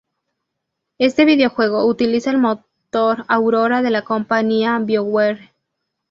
Este videojuego utiliza el motor aurora de la compañía BioWare.